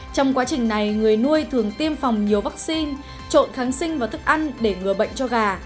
trong quá trình này người nuôi thường tiêm phòng nhiều vaccine trộn kháng sinh và thức ăn để ngừa bệnh cho gà